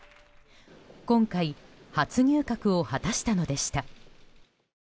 今回、初入閣を果たしたのでした。